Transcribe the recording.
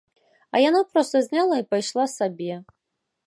А яна проста зняла і пайшла сабе!